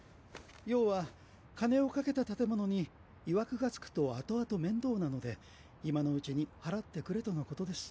要は金をかけた建物にいわくが付くと後々面倒なので今のうちに祓ってくれとのことです。